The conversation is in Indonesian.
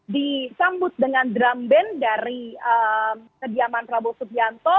disambut dengan drum band dari kediaman prabowo subianto